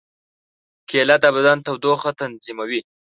کېله د بدن تودوخه تنظیموي.